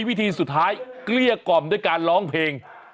วิธีสุดท้ายเกลี้ยกล่อมด้วยการร้องเพลง